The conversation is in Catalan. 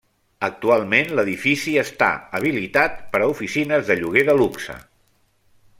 Actualment l'edifici està habilitat per a oficines de lloguer de luxe.